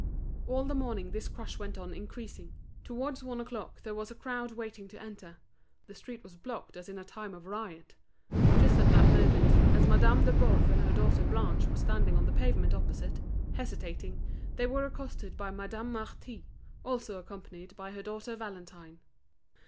All the morning this crush went on increasing. Towards one o'clock there was a crowd waiting to enter; the street was blocked as in a time of riot. Just at that moment, as Madame de Boves and her daughter Blanche were standing on the pavement opposite, hesitating, they were accosted by Madame Marty, also accompanied by her daughter Valentine.